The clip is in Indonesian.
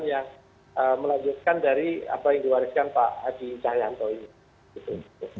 yang melanjutkan dari apa yang diwariskan pak hadi cahyanto ini